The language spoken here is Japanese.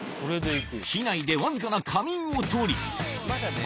機内でわずかな仮眠を取りあ！